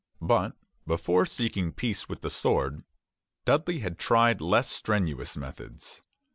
But before seeking peace with the sword, Dudley tried less strenuous methods.